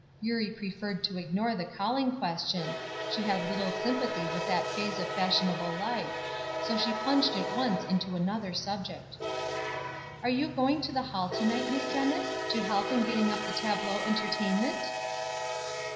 Eurie preferred to ignore the calling question; she had little sympathy with that phase of fashionable life; so she plunged at once into another subject. "Are you going to the hall to night, Miss Dennis, to help in getting up the tableau entertainment?"